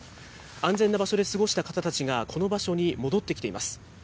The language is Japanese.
安全な場所で過ごした方たちがこの場所に戻ってきています。